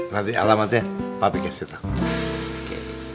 nanti alamatnya papi kasih tau